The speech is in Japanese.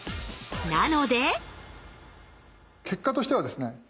なので結果としてはですね